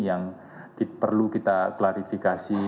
yang perlu kita klarifikasi